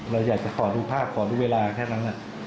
เราอยากจะขอดูภาพขอดูเวลาแค่นั้น